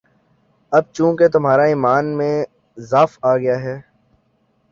اب چونکہ تمہارے ایمان میں ضعف آ گیا ہے،